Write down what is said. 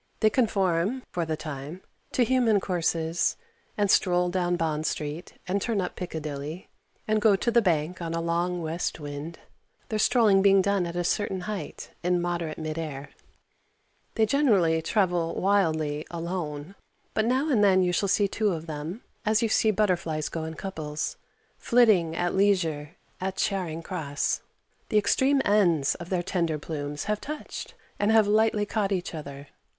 They conform, for the time, to human courses, and stroll down Bond Street and turn up Piccadilly, and go to the Bank on a long west wind their strolling being done at a certain height, in moderate mid air. [Illustration: TERRIBLE LONDON.] They generally travel wildly alone, but now and then you shall see two of them, as you see butterflies go in couples, flitting at leisure at Charing Cross. The extreme ends of their tender plumes have touched and have lightly caught each other.